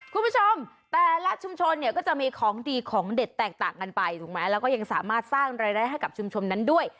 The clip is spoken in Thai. คุณผู้ชมแต่ละชุมชนเนี่ยก็จะมีของดีของเด็ดแตกต่างกันไปถูกไหมแล้วก็ยังสามารถสร้างรายได้ให้กับชุมชนนั้นด้วย